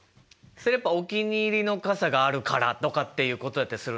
それやっぱお気に入りの傘があるからとかっていうことだったりするのかな？